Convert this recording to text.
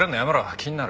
気になる。